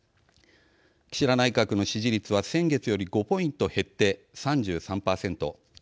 岸田内閣の支持率は先月より５ポイント減って３３％。